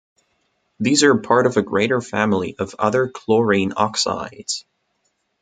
These are part of a greater family of other chlorine oxides.